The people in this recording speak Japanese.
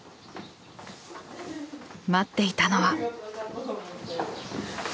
待っていたのは。